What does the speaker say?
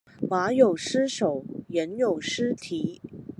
馬有失手，人有失蹄